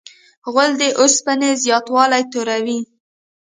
غول د اوسپنې زیاتوالی توروي.